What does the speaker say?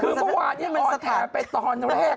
คือเมื่อวานนี้นอนแถมไปตอนแรก